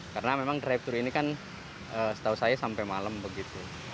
karena memang drive thru ini kan setahu saya sampai malam begitu